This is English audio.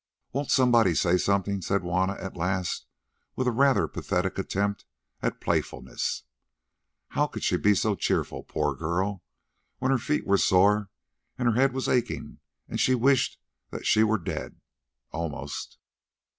"Won't somebody say something?" said Juanna at last with a rather pathetic attempt at playfulness. How could she be cheerful, poor girl, when her feet were sore and her head was aching, and she wished that she were dead, almost?